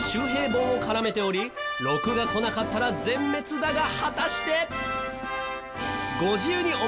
本を絡めており６がこなかったら全滅だが果たして？